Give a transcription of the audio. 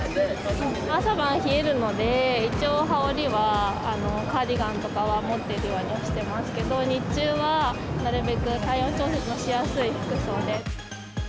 朝晩冷えるので、一応、羽織はカーディガンとかは持っていくようにしてますけど、日中はなるべく体温調節のしやすい服装で。